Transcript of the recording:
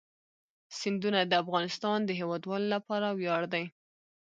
سیندونه د افغانستان د هیوادوالو لپاره ویاړ دی.